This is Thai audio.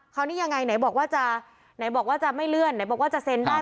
เขานี่ยังไงไหนบอกว่าจะไม่เลื่อนไหนบอกว่าจะเซ็นได้